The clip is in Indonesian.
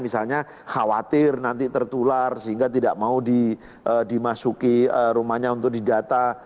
misalnya khawatir nanti tertular sehingga tidak mau dimasuki rumahnya untuk didata